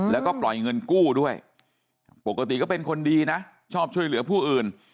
แล้วก็ปล่อยเงินกู้ด้วยปกติก็เป็นคนดีนะชอบช่วยเหลือผู้อื่น